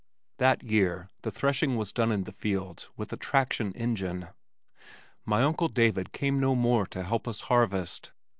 That year the threshing was done in the fields with a traction engine. My uncle David came no more to help us harvest.